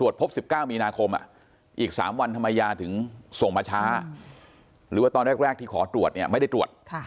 พบ๑๙มีนาคมอีก๓วันทำไมยาถึงส่งมาช้าหรือว่าตอนแรกที่ขอตรวจเนี่ยไม่ได้ตรวจ